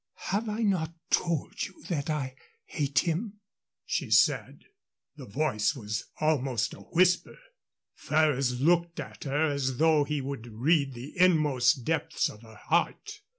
"Have I not told you that I hate him?" she said; the voice was almost a whisper. Ferrers looked at her as though he would read the inmost depths of her heart.